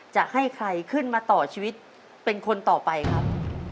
จะให้ใครขึ้นมาต่อชีวิตเป็นคนต่อไปครับ